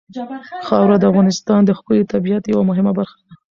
خاوره د افغانستان د ښکلي طبیعت یوه مهمه برخه ده.